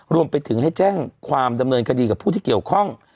รวมไปถึงให้แจ้งความดำเนินคดีกับผู้ที่เกี่ยวข้อง